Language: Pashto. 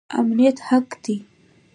امنیت حق دی